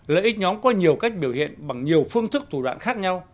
lợi ích nhóm có nhiều cách biểu hiện bằng nhiều phương thức thủ đoạn khác nhau